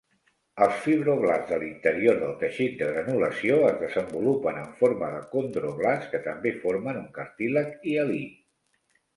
Els fibroblasts de l'interior del teixit de granulació es desenvolupen en forma de condroblasts, que també formen un cartílag hialí.